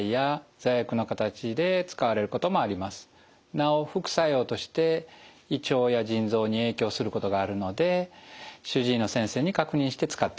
なお副作用として胃腸や腎臓に影響することがあるので主治医の先生に確認して使ってください。